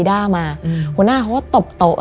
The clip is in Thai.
หัวหน้าเขาก็เก่าตะ